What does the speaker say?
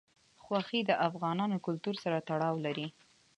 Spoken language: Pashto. غوښې د افغان کلتور سره تړاو لري.